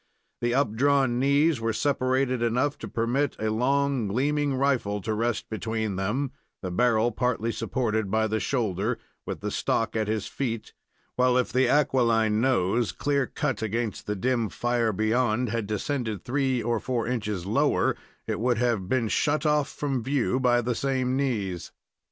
The up drawn knees were separated enough to permit a long, gleaming rifle to rest between them, the barrel partly supported by the shoulder, with the stock at his feet, while if the aquiline nose, clear cut against the dim fire beyond, had descended three or four inches lower, it would have been shut off from view by the same knees.